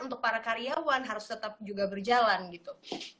untuk para karyawan harus tetap juga berjalan gitu